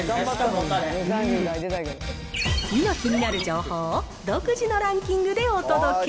今気になる情報を独自のランキングでお届け。